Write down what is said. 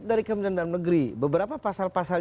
dari kementerian dalam negeri beberapa pasal pasal